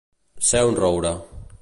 Ser un roure.